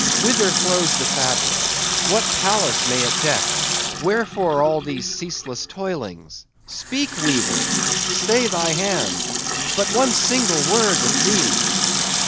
—whither flows the fabric? what palace may it deck? wherefore all these ceaseless toilings? Speak, weaver!—stay thy hand!—but one single word with thee!